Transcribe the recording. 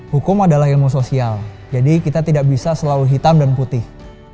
hukum adalah ilmu sosial jadi kita tidak bisa selalu hitam dan putih